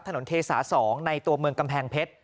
เทสา๒ในตัวเมืองกำแพงเพชร